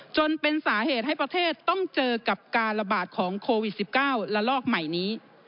จนเป็นสาเหตุให้ประเทศต้องเจอกับการระบาดของโควิด๑๙ระลอกใหม่นี้